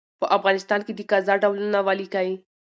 په افغانستان کي د قضاء ډولونه ولیکئ؟